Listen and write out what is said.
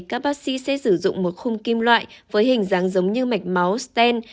các bác sĩ sẽ sử dụng một khung kim loại với hình dáng giống như mạch máu sten